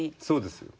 そうです。